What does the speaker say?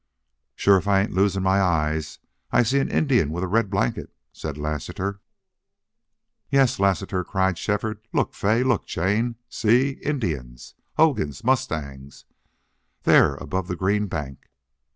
"Shore, if I ain't losin' my eyes, I seen an Injun with a red blanket," said Lassiter. "Yes, Lassiter," cried Shefford. "Look, Fay! Look, Jane! See! Indians hogans mustangs there above the green bank!"